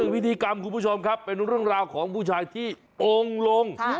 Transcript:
พิธีกรรมคุณผู้ชมครับเป็นเรื่องราวของผู้ชายที่องค์ลง